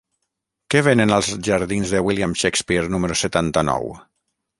Què venen als jardins de William Shakespeare número setanta-nou?